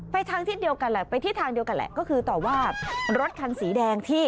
ทางทิศเดียวกันแหละไปทิศทางเดียวกันแหละก็คือต่อว่ารถคันสีแดงที่